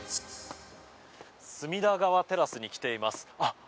隅田川テラスに来ています。